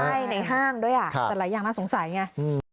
ใช่ในห้างด้วยแต่หลายอย่างน่าสงสัยไง